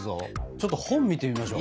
ちょっと本を見てみましょう。